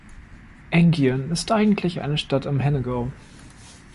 Enghien ist eigentlich eine Stadt im Hennegau.